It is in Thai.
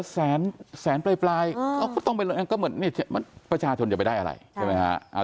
แสนแสนปลายเขาก็ต้องไปลงก็เหมือนประชาชนจะไปได้อะไรใช่ไหมฮะ